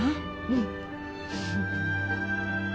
うん。